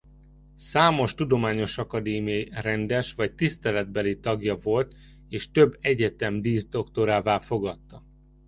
Számos tudományos akadémia rendes vagy tiszteletbeli tagja volt és több egyetem díszdoktorává fogadta.